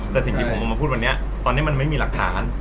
แต่สิ่งที่ผมออกมาพูดวันนี้ตอนนี้มันไม่มีหลักฐาน